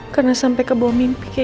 karena sampai ke bawah mimpi kayak gini